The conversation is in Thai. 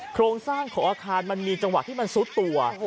โครงสร้างของอาคารมันมีจังหวะที่มันซุดตัว